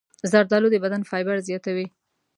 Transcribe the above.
زردالو د بدن فایبر زیاتوي.